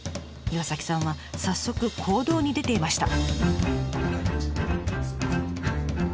岩さんは早速行動に出ていました。